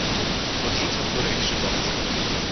Podrzuca w górę ich szybowce.